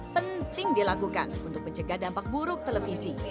penting dilakukan untuk mencegah dampak buruk televisi